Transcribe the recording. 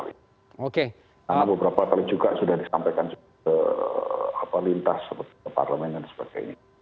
karena beberapa kali juga sudah disampaikan lintas seperti ke parlemen dan sebagainya